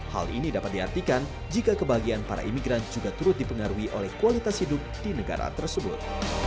hal ini dapat diartikan jika kebahagiaan para imigran juga turut dipengaruhi oleh kualitas hidup di negara tersebut